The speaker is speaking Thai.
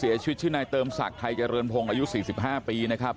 ชื่อนายเติมศักดิ์ไทยเจริญพงศ์อายุ๔๕ปีนะครับ